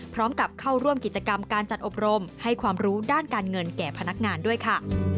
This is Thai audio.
พร้อมกับเข้าร่วมกิจกรรมการจัดอบรมให้ความรู้ด้านการเงินแก่พนักงานด้วยค่ะ